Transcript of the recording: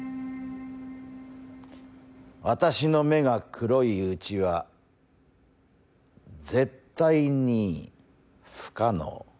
私の目が黒いうちは絶対に不可能。